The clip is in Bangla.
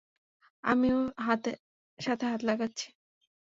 আমিও সাথে হাত লাগাচ্ছি।